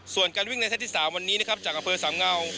ส่วนการวิ่งในเซตที่๓วันนี้นะครับจากอำเภอสามเงา